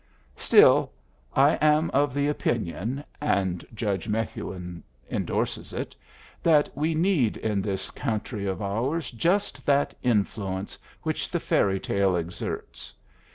Still, I am of the opinion (and Judge Methuen indorses it) that we need in this country of ours just that influence which the fairy tale exerts.